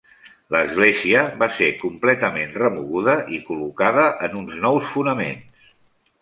L'església va ser completament remoguda i col·locada en uns nous fonaments.